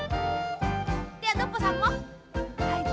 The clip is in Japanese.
ではノッポさんも。